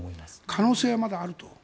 可能性はまだあると？